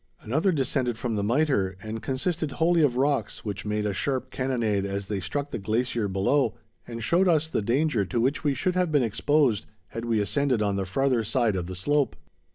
Another descended from the Mitre and consisted wholly of rocks, which made a sharp cannonade as they struck the glacier below, and showed us the danger to which we should have been exposed had we ascended on the farther side of the slope.